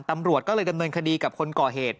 ตำรวจก็เลยดำเนินคดีกับคนก่อเหตุ